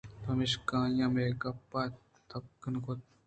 پمشکا آئیءَ مئے گپاں تپاک نہ کُت